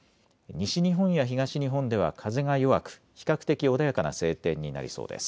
西日本や東日本では風が弱く比較的穏やかな晴天になりそうです。